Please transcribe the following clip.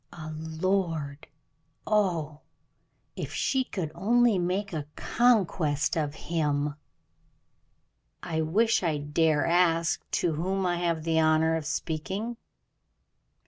A lord! oh, if she could only make a conquest of him! "I wish I dare ask to whom I have the honor of speaking."